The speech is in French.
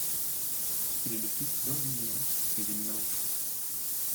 Il est le fils d'Endymion et d'une Nymphe.